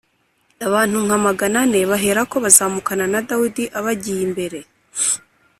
Abantu nka magana ane baherako bazamukana na Dawidi abagiye imbere